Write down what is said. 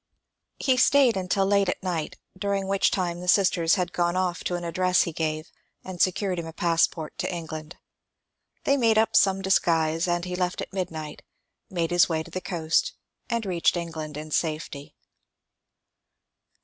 He stayed until late at night, during which time the sisters had gone off to an address he gave and secured him a passport to England. They made up some disguise and he left at midnight, made his way to the coast, and reached England in safety.